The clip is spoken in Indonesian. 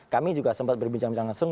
kami juga sempat berbincang bincang langsung